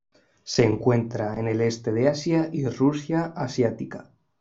Se encuentra en el este de Asia y Rusia asiática.